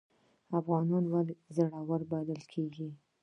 افغانان ولې زړور بلل کیږي؟